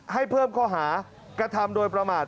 ให้เพิ่มข้อหากระทำโดยประมาท